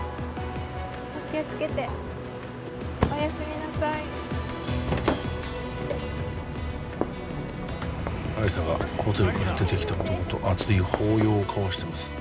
お気をつけておやすみなさい亜理紗がホテルから出てきた男と熱い抱擁を交わしてます